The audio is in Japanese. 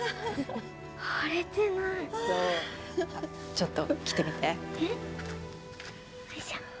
ちょっと来てみて。